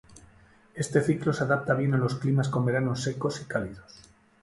Este ciclo se adapta bien a los climas con veranos secos y cálidos.